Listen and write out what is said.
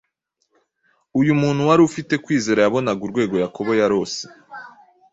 Uyu muntu wari ufite kwizera yabonaga urwego Yakobo yarose